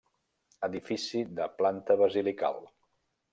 Edifici de planta basilical.